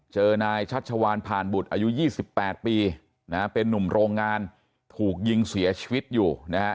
เจอนายชัชวานผ่านบุตรอายุ๒๘ปีนะฮะเป็นนุ่มโรงงานถูกยิงเสียชีวิตอยู่นะฮะ